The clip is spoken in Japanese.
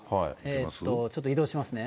えっと、ちょっと移動しますね。